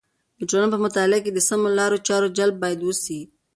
د ټولنې په مطالعه کې د سمو لارو چارو جلب باید وسي.